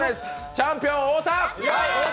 チャンピオン・太田！